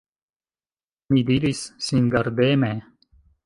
Mi diris, singardeme!